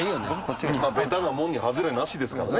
ベタなもんに外れなしですからね。